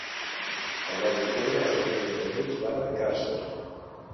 El nou d'octubre na Damià i en Genís van a Càrcer.